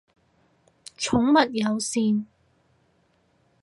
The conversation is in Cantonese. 寵物友善